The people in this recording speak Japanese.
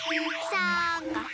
さんかく。